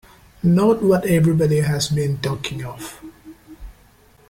Not what everybody has been talking of!